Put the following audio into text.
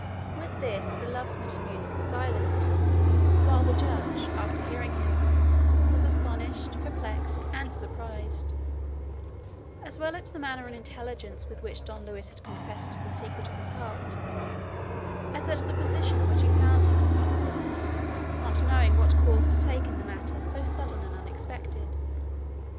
With this the love smitten youth was silent, while the Judge, after hearing him, was astonished, perplexed, and surprised, as well at the manner and intelligence with which Don Luis had confessed the secret of his heart, as at the position in which he found himself, not knowing what course to take in a matter so sudden and unexpected.